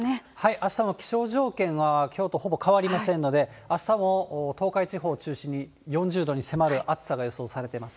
あしたも気象条件はきょうとほぼ変わりませんので、あしたも東海地方を中心に４０度に迫る暑さが予想されています。